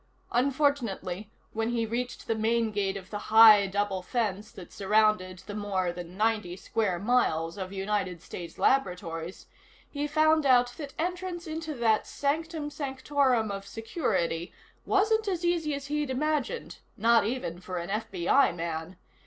Unfortunately, when he reached the main gate of the high double fence that surrounded the more than ninety square miles of United States Laboratories, he found out that entrance into that sanctum sanctorum of Security wasn't as easy as he'd imagined not even for an FBI man.